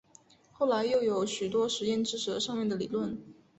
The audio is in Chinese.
后来又有许多实验支持了上面的结论。